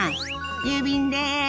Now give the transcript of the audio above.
郵便です。